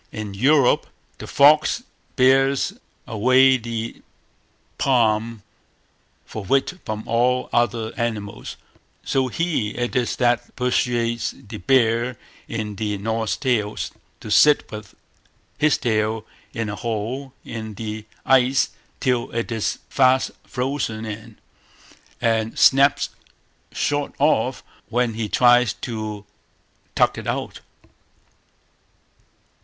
In Europe the fox bears away the palm for wit from all other animals, so he it is that persuades the bear in the Norse Tales to sit with his tail in a hole in the ice till it is fast frozen in, and snaps short off when he tries to tug it out.